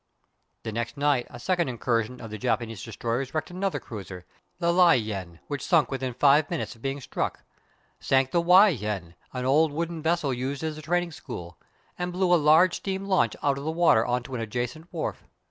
The next night a second incursion of the Japanese destroyers wrecked another cruiser, the Lai Yuen, which sunk within five minutes of being struck; sank the Wei Yuen, an old wooden vessel used as a training school; and blew a large steam launch out of the water on to an adjacent wharf.